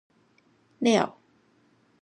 了